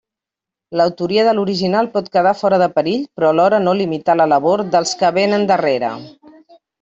L'autoria de l'original pot quedar fora de perill però alhora no limitar la labor dels que vénen darrere.